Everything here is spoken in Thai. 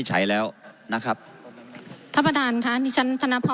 ขอให้ขอให้ผมทำนาธิเนี่ยครับ